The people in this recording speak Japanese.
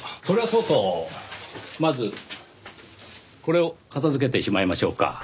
それはそうとまずこれを片付けてしまいましょうか。